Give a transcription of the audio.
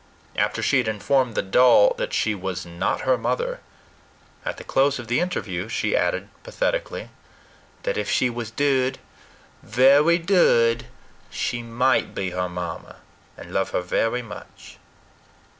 After she had informed the doll that she was not her mother, at the close of the interview she added pathetically, "that if she was dood, very dood, she might be her mamma, and love her very much."